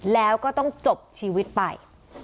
แล้วก็ต้องจบชีวิตไป